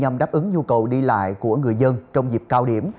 nhằm đáp ứng nhu cầu đi lại của người dân trong dịp cao điểm